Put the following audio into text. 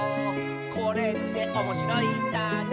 「これっておもしろいんだね」